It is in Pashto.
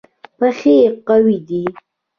پښې قوي دي.